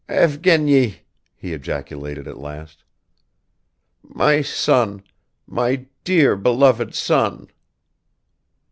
"Evgeny!" he ejaculated at last, "My son, my dear, beloved son!"